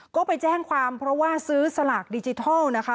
ก็ไปแจ้งความเพราะว่าซื้อสลากดิจิทัลนะคะ